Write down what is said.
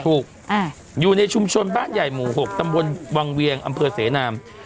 อยู่ในชุมชนบ้านใหญ่หมู่๖ตำบลวังเวียงอำเภอเสนาม